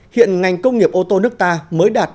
hiện ngành công nghiệp ô tô nước ta mới đạt